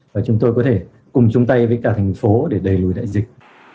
và chúng tôi có thể cùng chung tay với cả thành phố để đẩy lùi đại dịch